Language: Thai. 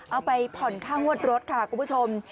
เอาไปผ่อนค่างวดรถค่ะคุณผู้ชม